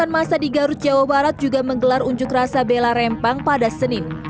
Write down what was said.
masa di garut jawa barat juga menggelar unjuk rasa bela rempang pada senin